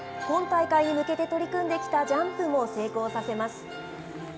今大会に向けて取り組んできたジャンプも成功させます。